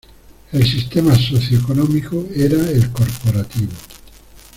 El sistema socioeconómico era el corporativo.